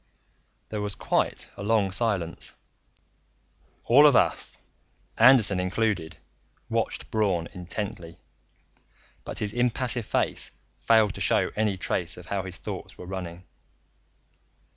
There was quite a long silence. All of us, Anderton included, watched Braun intently, but his impassive face failed to show any trace of how his thoughts were running.